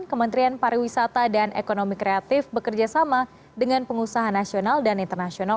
kementerian pariwisata dan ekonomi kreatif bekerjasama dengan pengusaha nasional dan internasional